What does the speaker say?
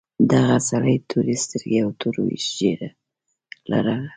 دغه سړي تورې سترګې او تور ږیره لرله.